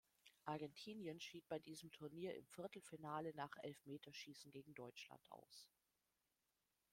Argentinien schied bei diesem Turnier im Viertelfinale nach Elfmeterschießen gegen Deutschland aus.